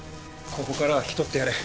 ここからは引き取ってやれ。